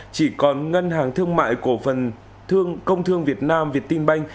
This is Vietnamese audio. chỉ còn ngân hàng thương mại cổ phần công thương việt nam viettinbank